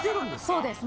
そうです。